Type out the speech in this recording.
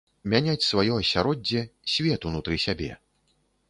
Мяняць сваё асяроддзе, свет унутры сябе.